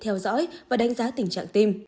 theo dõi và đánh giá tình trạng tim